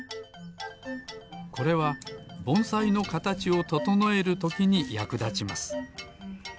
これはぼんさいのかたちをととのえるときにやくだちます。